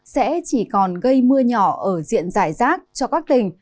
sẽ chỉ còn gây mưa nhỏ ở diện giải rác cho các tỉnh